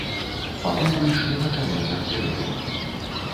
Папы выйшлі на чале з архірэем.